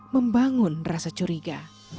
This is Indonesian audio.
membangun rasa curiga